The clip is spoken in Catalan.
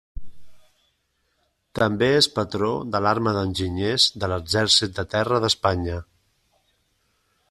També és patró de l'Arma d'Enginyers de l'Exèrcit de Terra d'Espanya.